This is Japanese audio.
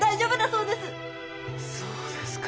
そうですか。